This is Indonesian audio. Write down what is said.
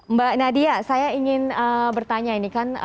mbak nadia saya ingin bertanya ini kan